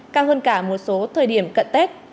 cao hơn cả một số thời điểm cận tết